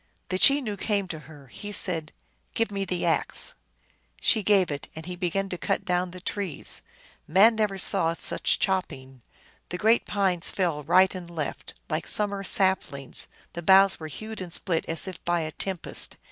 The Chenoo came to her. He said, " Give me the axe !" She gave it, and he began to cut down the trees. Man never saw such chopping ! The great pines fell right and left, like summer saplings ; the boughs were hewed and split as if by a tempest.